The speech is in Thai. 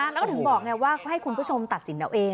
แล้วก็ถึงบอกไงว่าให้คุณผู้ชมตัดสินเอาเอง